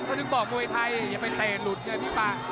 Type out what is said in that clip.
ก็ถึงบอกว่าไอ้ไทยอย่าไปเตรหลุดไงพี่ป้า